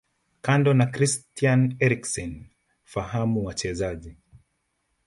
Kando na Christian Eriksen fahamu wachezaji